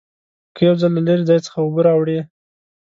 که یو ځل له لرې ځای څخه اوبه راوړې.